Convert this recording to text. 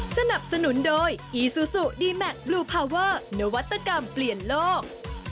สนับสนุนโดยอีซูซูดีแมคบลูพาวเวอร์นวัตกรรมเปลี่ยนโลก